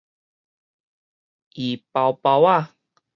奕包包仔